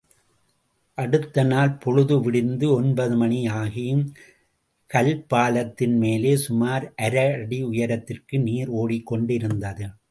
அடுத்த நாள் பொழுது விடிந்து ஒன்பது மணி ஆகியும் கல்பாலத்தின்மேலே சுமார் அரை அடி உயரத்திற்கு நீர் ஓடிக்கொண்டிருந்தது.